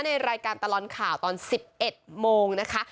ในรายการตลอดข่าวตอน๑๑โมงนะคะ